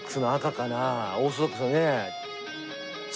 オーソドックスなね。